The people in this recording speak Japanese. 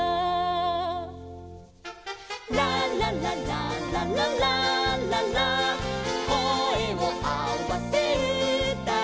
「ラララララララララ」「こえをあわせうたえ」